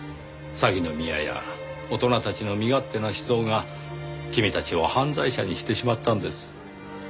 鷺宮や大人たちの身勝手な思想が君たちを犯罪者にしてしまったんです。